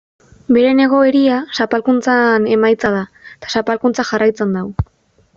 Beren egoera zapalkuntzaren emaitza da eta zapalkuntzak jarraitzen du.